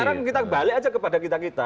sekarang kita balik aja kepada kita kita